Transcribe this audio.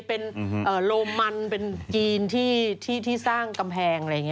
เป็นโรมันเป็นจีนที่สร้างกำแพง